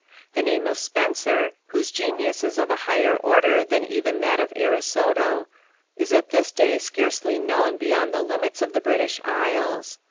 The name of Spenser, whose genius is of a higher order than even that of Ariosto, is at this day scarcely known beyond the limits of the British Isles.